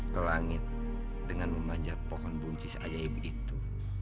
ke langit dengan memanjat pohon buncis ajaib itu